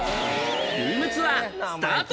ルームツアースタート。